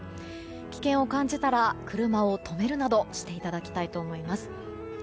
危険を感じたら車を止めるなどしていただきたいと思います。